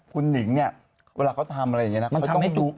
คุณนิงเนี่ยเวลาเขาทำอะไรอย่างนี้นะ